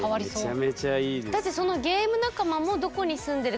めちゃめちゃいいですね。